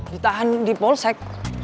ditahan di polsek